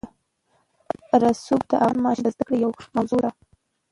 رسوب د افغان ماشومانو د زده کړې یوه موضوع ده.